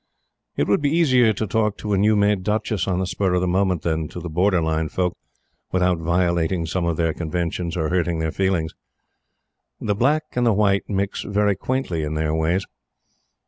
It would be easier to talk to a new made Duchess on the spur of the moment than to the Borderline folk without violating some of their conventions or hurting their feelings. The Black and the White mix very quaintly in their ways.